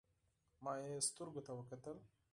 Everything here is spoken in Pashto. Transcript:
ما يې سترګو ته وکتل.